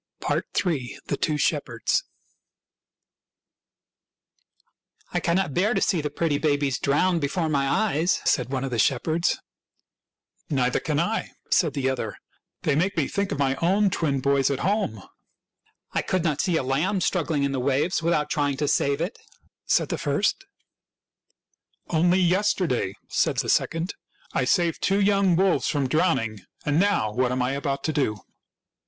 III. THE TWO SHEPHERDS " I cannot bear to see the pretty babes drown before my eyes," said one of the shepherds. " Neither can I," said the other. " They make me think of my own twin boys at home." 1 82 THIRTY MORE FAMOUS STORIES " I could not see a Iamb struggling in the waves without trying to save it," said the first. " Only yesterday," said the second, " I saved two young wolves from drowning. And now what am I about to do